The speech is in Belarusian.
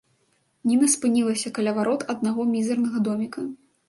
Ніна спынілася каля варот аднаго мізэрнага доміка.